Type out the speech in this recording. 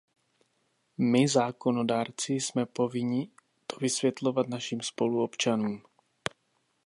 My, zákonodárci, jsme povinni to vysvětlovat našim spoluobčanům.